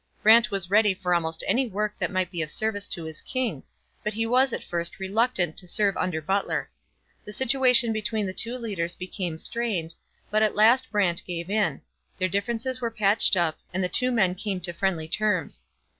Brant was ready for almost any work that might be of service to his king, but he was at first reluctant to serve under Butler. The situation between the two leaders became strained, but at last Brant gave in; their differences were patched up, and the two men came to friendly terms.